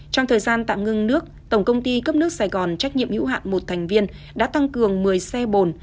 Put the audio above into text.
trong thời gian tạm ngưng nước tổng công ty cấp nước sài gòn trách nhiệm hữu hạn một thành viên đã tăng cường một mươi xe bồn